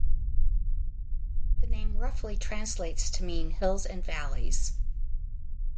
The name roughly translates to mean hills and valleys.